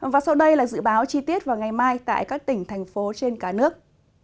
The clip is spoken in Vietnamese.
và sau đây là dự báo chi tiết vào ngày mai tại các tỉnh thành phố trên cả nước